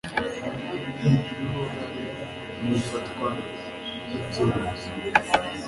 ntigira uruhare mu ifatwa ry ibyemezo